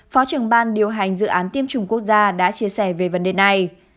phó trưởng ban điều hành dự án tiêm chủng quốc gia đã chia sẻ về vấn đề này